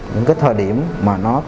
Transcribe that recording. những cái thời điểm mà nó